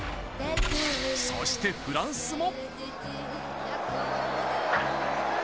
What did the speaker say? そしてフランスも。